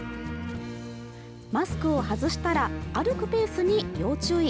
マスクを外したら歩くペースに要注意。